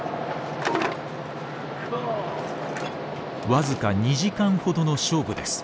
わずか２時間ほどの勝負です。